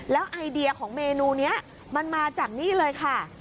แล้วไอเดียของเมนูนี้มันมาจากนี่เลยค่ะ